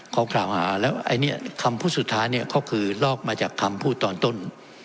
ข้อกล่าวหาแล้วคำพูดสุดท้านี่เขาคือลอกมาจากคำพูดตอนต้น